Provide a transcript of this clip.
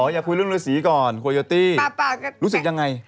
อยากคุยเรื่องฤษีก่อนโคโยตี้รู้สึกยังไง